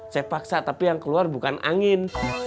saya paksa tapi yang keluar bukan angin